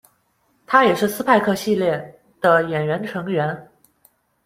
他也是斯派克系列《》的演员成员。